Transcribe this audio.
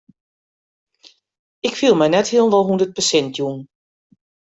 Ik fiel my net hielendal hûndert persint jûn.